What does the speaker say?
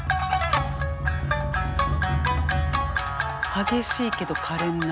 激しいけどかれんな。